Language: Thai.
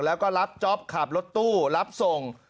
แล้วก็รับจ๊อปขับรถตู้รับส่ง